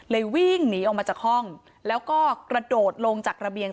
วิ่งหนีออกมาจากห้องแล้วก็กระโดดลงจากระเบียง